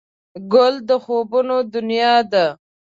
ګل د خوبونو دنیا ده.